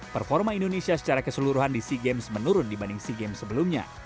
performa indonesia secara keseluruhan di sea games menurun dibanding sea games sebelumnya